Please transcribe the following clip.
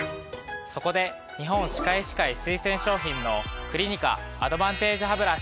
そこで日本歯科医師会推薦商品のクリニカアドバンテージハブラシ。